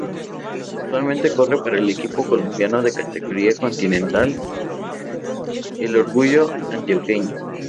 Actualmente corre para el equipo colombiano de categoría "continental" el Orgullo Antioqueño.